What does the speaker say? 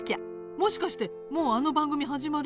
もしかしてもうあの番組始まる？